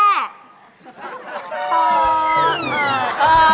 เออ